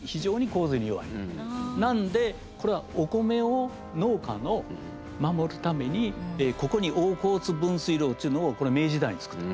なのでこれはお米を農家を守るためにここに大河津分水路っちゅうのをこれ明治時代に作ってます。